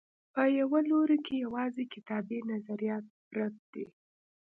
په یوه لوري کې یوازې کتابي نظریات پرت دي.